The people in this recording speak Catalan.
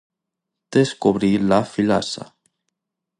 Descobrir la filassa.